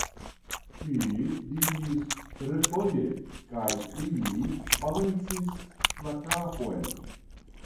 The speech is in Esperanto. mi diris refoje, kaj li balancis la kapon.